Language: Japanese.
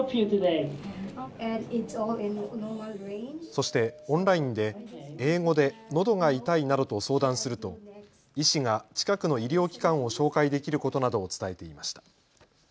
そしてオンラインで英語でのどが痛いなどと相談すると医師が近くの医療機関を紹介できることなどを伝えていました。